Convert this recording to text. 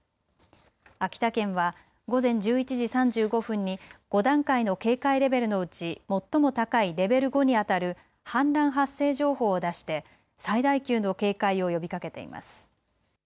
秋田県は午前１１時３５分に５段階の警戒レベルのうち最も高いレベル５にあたる氾濫発生情報を出して最大級の警戒を呼びかけています。